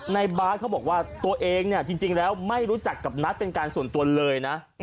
บาทเขาบอกว่าตัวเองเนี่ยจริงแล้วไม่รู้จักกับนัทเป็นการส่วนตัวเลยนะ